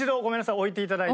置いていただいて。